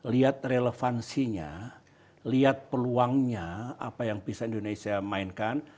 lihat relevansinya lihat peluangnya apa yang bisa indonesia mainkan